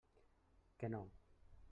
Que no?